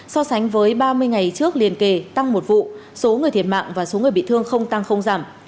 so sánh với ba mươi ngày trước liên kề tăng một vụ số người thiệt mạng và số người bị thương không tăng không giảm